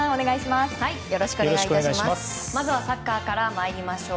まずはサッカーから参りましょう。